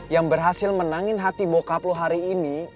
yang berhasil menangin hati bokap lo hari ini